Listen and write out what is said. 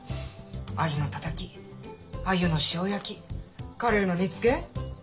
アジのタタキアユの塩焼きカレイの煮つけ。